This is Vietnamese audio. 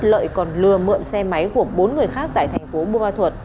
lợi còn lừa mượn xe máy của bốn người khác tại thành phố buôn ma thuật